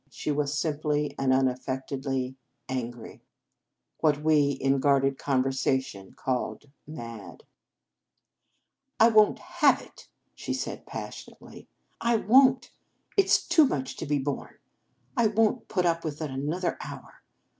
She was simply and unaffectedly 251 In Our Convent Days angry, what we in unguarded con versation called " mad." " I won t have it," she said passion ately. "I won t! It s too much to be borne. I won t put up with it another hour.